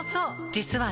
実はね